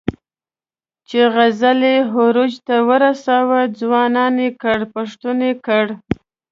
چې غزل یې عروج ته ورساوه، ځوان یې کړ، پښتون یې کړ.